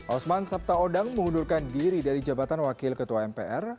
osman sabtaodang mengundurkan diri dari jabatan wakil ketua mpr